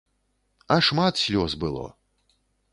А шмат слёз было!